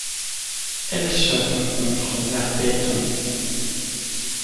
Elle se rencontre vers Boeton.